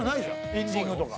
エンディングとか。